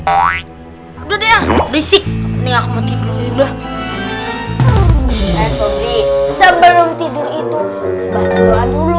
udah deh berisik nih aku mau tidur ya udah sebelum tidur itu batuan dulu